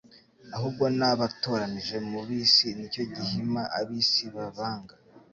ahubwo nabatoranije mu b'isi, Nicyo gihima ab'isi babanga.